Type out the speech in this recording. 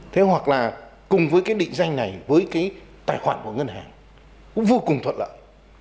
thế hoặc là cùng với cái định danh này với cái tài khoản của ngân hàng cũng vô cùng thuận lợi